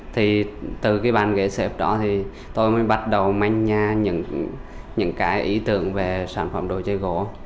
thì từ cái bàn ghế xếp đó thì tôi mới bắt đầu manh nha những cái ý tưởng về sản phẩm đồ chơi gỗ